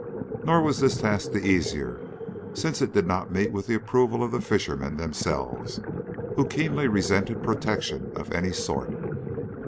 Nor was this task the easier since it did not meet with the approval of the fishermen themselves, who keenly resented protection of any sort.